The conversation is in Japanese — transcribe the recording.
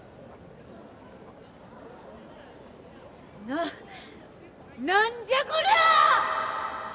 な何じゃこりゃ！